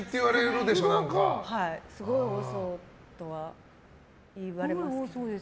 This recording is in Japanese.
すごい多そうとは言われます。